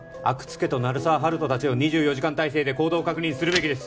家と鳴沢温人達を２４時間態勢で行動を確認するべきです